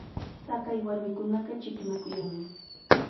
Taqay warmikunaqa chikinakuyanmi.